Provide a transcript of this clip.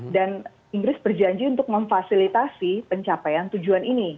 dan inggris berjanji untuk memfasilitasi pencapaian tujuan ini